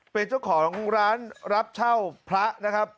เป็นเจ้าของร้านรับเช่าพระนะครับ